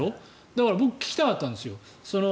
だから僕は聞きたかったんですよ。